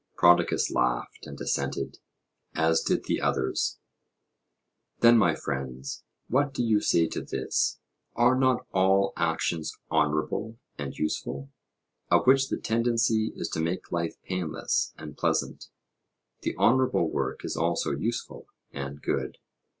Prodicus laughed and assented, as did the others. Then, my friends, what do you say to this? Are not all actions honourable and useful, of which the tendency is to make life painless and pleasant? The honourable work is also useful and good?